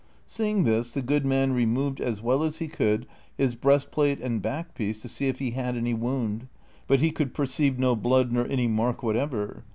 Seeing this, the good man removed as well as he could his breastplate and backpiece to see if he had any wound, but he could perceive no blood nor any mark whatever.